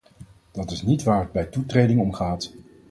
Dat is niet waar het bij toetreding om gaat.